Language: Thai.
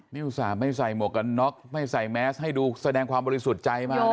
นี่อุตส่าห์ไม่ใส่หมวกกันน็อกไม่ใส่แมสให้ดูแสดงความบริสุทธิ์ใจมาก